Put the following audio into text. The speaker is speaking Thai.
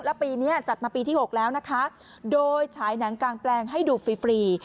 แล้วปีนี้จัดมาปีที่๖แล้วนะคะโดยฉายหนังกางแปลงให้ดูฟรีฟรี